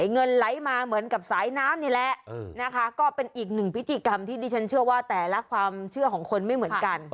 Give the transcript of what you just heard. เงินไหลมาเหมือนกับสายน้ำนี่แหละนะคะก็เป็นอีกหนึ่งพิธีกรรมที่ดิฉันเชื่อว่าแต่ละความเชื่อของคนไม่เหมือนกัน